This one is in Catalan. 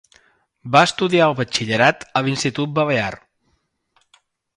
Va estudiar el batxillerat a l'Institut Balear.